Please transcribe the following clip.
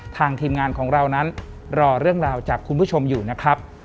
ทีมงานของเรานั้นรอเรื่องราวจากคุณผู้ชมอยู่นะครับ